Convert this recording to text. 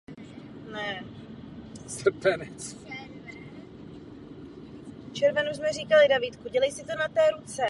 V povídce Moře a malé rybky se objevila v sytě růžové.